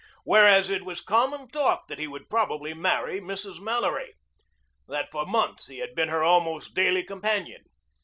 Whereas it was common talk that he would probably marry Mrs. Mallory, that for months he had been her almost daily companion.